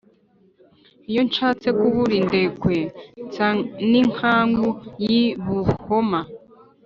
Iyo nshatse kubura indekwe nsa n’inkangu y’i Buhoma.